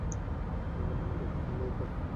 Driver রান্নাও পারে।